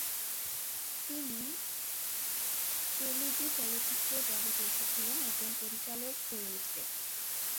তিনি তেলুগু চলচ্চিত্র জগতে এসেছিলেন একজন পরিচালক হয়ে উঠতে।